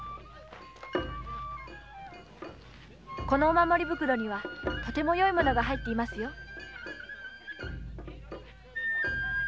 このお守り袋にはとてもよい物が入っていますよ。